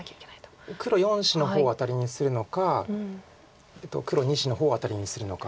黒４子の方をアタリにするのか黒２子の方をアタリにするのか。